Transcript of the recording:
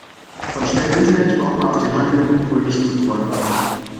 Von schnellem Internet braucht man auf den Halligen wohl nicht zu träumen.